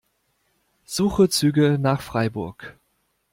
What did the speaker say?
Suche Züge nach Freiburg.